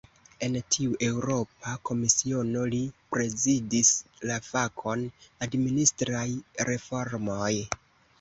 En tiu Eŭropa Komisiono, li prezidis la fakon "administraj reformoj".